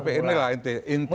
tapi inilah intinya kalau